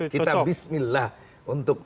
kita bismillah untuk